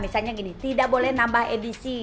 misalnya gini tidak boleh nambah edisi